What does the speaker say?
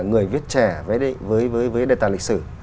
người viết trẻ với đề tài lịch sử